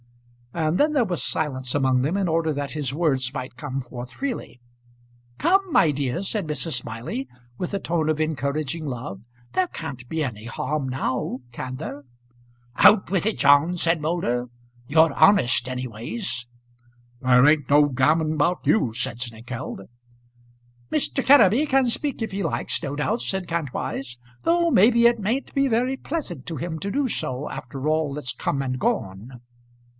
And then there was silence among them in order that his words might come forth freely. "Come, my dear," said Mrs. Smiley with a tone of encouraging love. "There can't be any harm now; can there?" "Out with it, John," said Moulder. "You're honest, anyways." "There ain't no gammon about you," said Snengkeld. "Mr. Kenneby can speak if he likes, no doubt," said Kantwise; "though maybe it mayn't be very pleasant to him to do so after all that's come and gone."